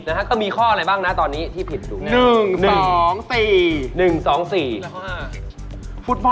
จีนคิดว่าข้อที่ผิดไหม